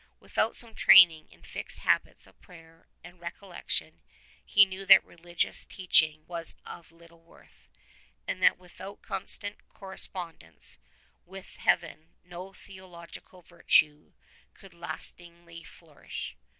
Without some training in fixed habits of prayer and recollection, he knew that religious io6 teaching was of little worth, and that without constant cor respondence with Heaven no theological virtue could last ingly flourish.